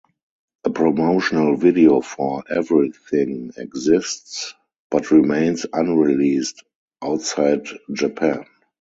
A promotional video for 'Everything' exists, but remains unreleased outside Japan.